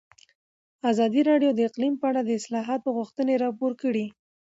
ازادي راډیو د اقلیم په اړه د اصلاحاتو غوښتنې راپور کړې.